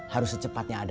harus secepatnya ada